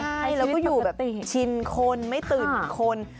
ใช่แล้วก็อยู่แบบชินคนไม่ตื่นคน